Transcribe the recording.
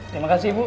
terima kasih bu